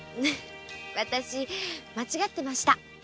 わたし間違ってました。